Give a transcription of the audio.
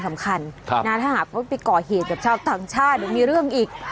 สำคัญถ้าหากว่าไปก่อเหตุกับชาวต่างชาติหรือมีเรื่องอีก